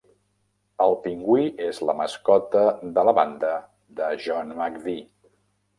El pingüí és la mascota de la banda de John McVie.